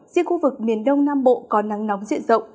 riêng khu vực miền đông nam bộ có nắng nóng diện rộng